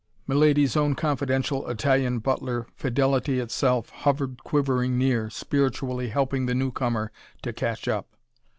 Milady's own confidential Italian butler, fidelity itself, hovered quivering near, spiritually helping the newcomer to catch up.